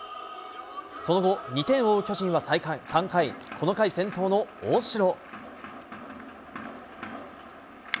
その後、２点を追う巨人は３回、この回先頭の大城。